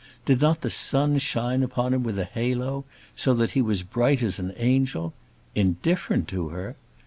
Did not the sun shine upon him with a halo, so that he was bright as an angel? Indifferent to her!